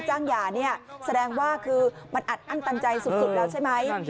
จ้างหย่าแสดงว่ามันอัดอั้นตันใจสุดแล้วใช่ไหม